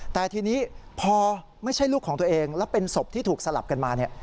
แต่ทีนี้พอไม่ใช่ลูกของตัวเองแล้วเป็นศพที่ถูกสลับกันมาเนี่ย